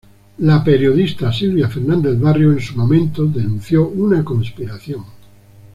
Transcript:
La periodista Silvia Fernández Barrio en su momento denunció una conspiración.